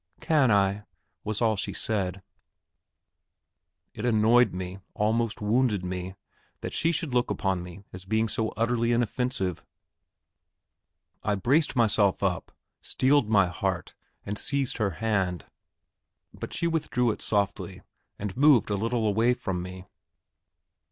"Can I?" was all she said. It annoyed me, almost wounded me, that she should look upon me as being so utterly inoffensive. I braced myself up, steeled my heart, and seized her hand; but she withdrew it softly, and moved a little away from me.